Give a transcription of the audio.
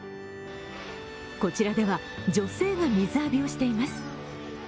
こちらでは女性が水浴びをしています。